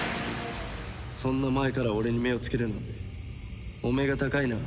そんな前から俺に目をつけるなんてお目が高いな。